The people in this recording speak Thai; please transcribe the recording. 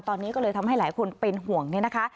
ตอนนี้ก็เลยทำให้หลายคนเป็นห่วงเนี่ยนะคะ